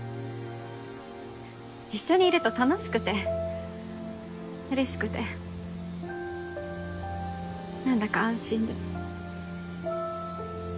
一緒にいると楽しくてうれしくて何だか安心で。